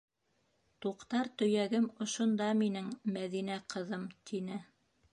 Туҡтар төйәгем ошонда минең, Мәҙинә ҡыҙым, - тине.